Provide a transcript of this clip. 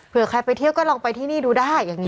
เพื่อใครไปเที่ยวก็ลองไปที่นี่ดูได้อย่างนี้